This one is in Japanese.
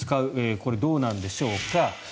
これどうなんでしょうか。